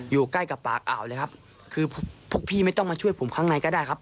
อยู่ใกล้กับปากอ่าวเลยครับคือพวกพี่ไม่ต้องมาช่วยผมข้างในก็ได้ครับ